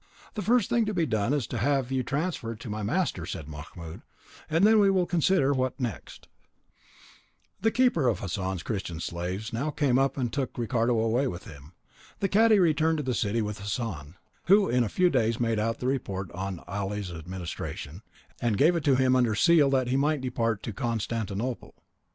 "The first thing to be done is to have you transferred to my master," said Mahmoud, "and then we will consider what next." The keeper of Hassan's Christian slaves now came up and took Ricardo away with him. The cadi returned to the city with Hassan, who in a few days made out the report on Ali's administration, and gave it to him under seal that he might depart to Constantinople.